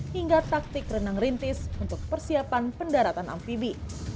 hingga taktik renang rintis untuk persiapan pendaratan amfibi